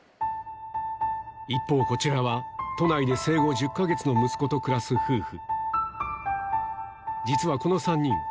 一方こちらは都内で生後１０か月の息子と暮らす夫婦